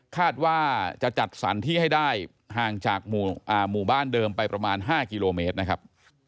คาดว่าจะจัดสรรที่ให้ได้ห่างจากหมู่บ้านเดิมไปประมาณ๕กิโลเมตรนะครับ